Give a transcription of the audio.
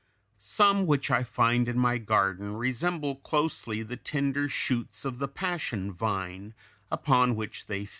Some which I find in my garden resemble closely the tender shoots of the passion vine, upon which they feed.